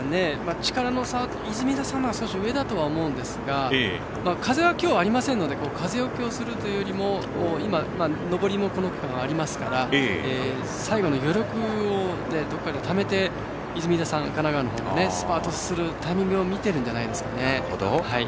力の差は出水田さんのほうが少し上だと思いますが風は今日ないので風よけするというよりも上りもこの区間ありますから最後の余力をどこかにためて神奈川の出水田さんはスパートするタイミングを見ているんじゃないですかね。